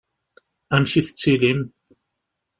Amek i tettilim?